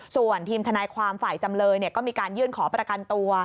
ส่วนทีมทนายความฝ่ายจำเลยก็มีการยื่นขอประกันตัว